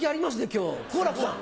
今日好楽さん。